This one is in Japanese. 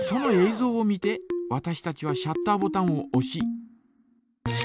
ぞうを見てわたしたちはシャッターボタンをおし。